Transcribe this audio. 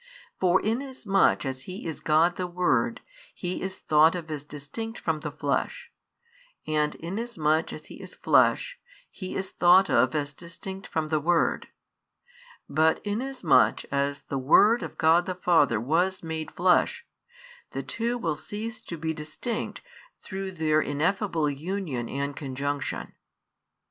For inasmuch as He is God the Word, He is thought of as distinct from the flesh; and inasmuch as He is flesh, He is thought of as distinct from the Word: but inasmuch as the Word of God the Father was made flesh, the two will cease to be distinct through their ineffable union and conjunction.